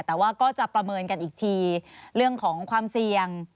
แต่ว่าก็จะประเมินกันอีกทีเรื่องของความเสี่ยง